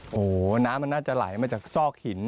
โอ้โหน้ำมันน่าจะไหลมาจากซอกหิน